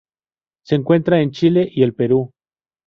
Se encuentra en Chile y el Perú.